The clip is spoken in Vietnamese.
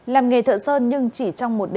làm nghề thợ sơn nhưng chỉ trong một đời